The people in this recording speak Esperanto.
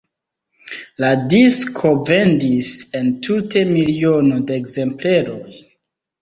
La disko vendis entute milionon da ekzempleroj.